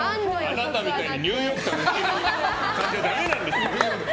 あなたみたいにニューヨークに行ってる感じじゃダメなんですよ。